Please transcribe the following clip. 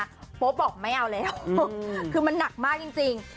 โป๊ปบอกไม่เอาแล้วคือมันหนักมากจริง